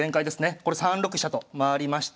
これ３六飛車と回りまして。